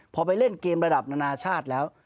พอไปเล่นเกมระดับนานาชาติแล้ว